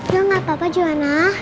ya gak apa apa juana